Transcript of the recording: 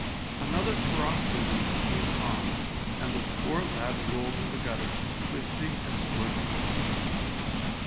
Another paroxysm came on, and the poor lad rolled in the gutter, twisting and squirming.